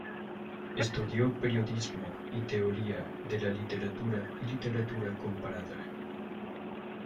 Estudió Periodismo y Teoría de la Literatura y Literatura Comparada.